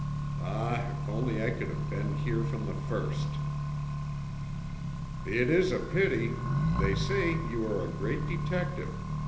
Ah, if only I could have been here from the first!" "It is a pity. They say you are a great detective.